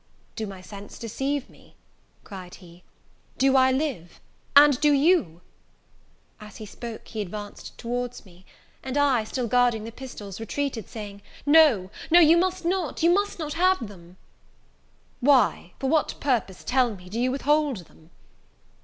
"Do my sense deceive me!" cried he, "do I live ? And do you?" As he spoke he advanced towards me; and I, still guarding the pistols, retreated, saying, "No, no you must not must not have them!" "Why for what purpose, tell me! do you withhold them?"